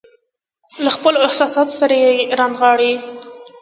له خپلو احساساتو سره يې رانغاړي.